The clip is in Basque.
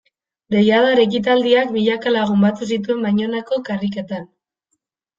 Deiadar ekitaldiak milaka lagun batu zituen Baionako karriketan.